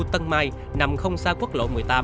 tân mai nằm không xa quốc lộ một mươi tám